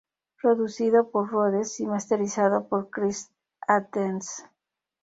Producido por Rodes y masterizado por Chris Athens.